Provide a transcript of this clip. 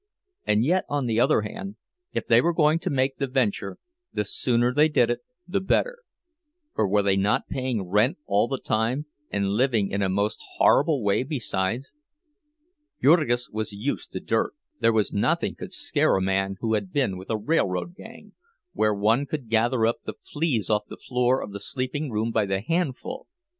And yet, on the other hand, if they were going to make the venture, the sooner they did it the better, for were they not paying rent all the time, and living in a most horrible way besides? Jurgis was used to dirt—there was nothing could scare a man who had been with a railroad gang, where one could gather up the fleas off the floor of the sleeping room by the handful.